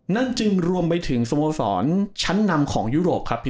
นั่นจึงรวมไปถึงสมบงศาลชั้นนำของยุโรปนะครับนะคะ